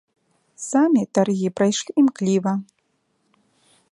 Самі таргі прайшлі імкліва.